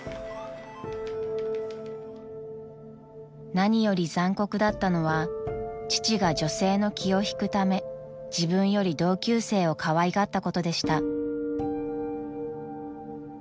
［何より残酷だったのは父が女性の気を引くため自分より同級生をかわいがったことでした］